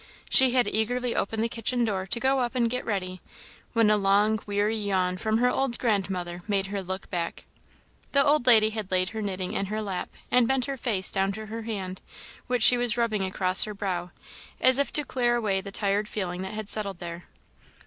She had eagerly opened the kitchen door to go up and get ready, when a long weary yawn from her old grandmother made her look back. The old lady had laid her knitting in her lap, and bent her face down to her hand, which she was rubbing across her brow, as if to clear away the tired feeling that had settled there.